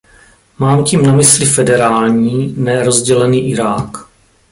Mám tím na mysli federální, ne rozdělený Irák.